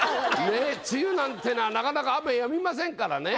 ねえ梅雨なんてのはなかなか雨止みませんからね。